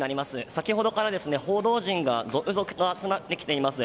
先ほどから報道陣が続々と集まってきています。